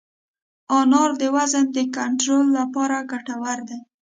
انار د وزن د کنټرول لپاره ګټور دی.